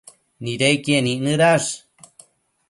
nidequien icnëdash